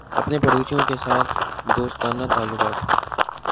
اپنے پڑوسیوں کے ساتھ دوستانہ تعلقات